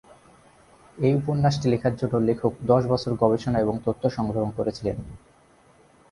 এই উপন্যাসটি লেখার জন্য লেখক দশ বছর গবেষণা এবং তথ্য সংগ্রহ করেছিলেন।